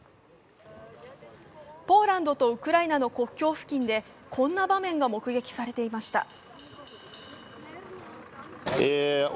ポーランドとウクライナの国境付近でこんな場面が目撃されていました。